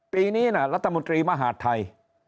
ปีนี้รัฐมนตรีมหาดไทย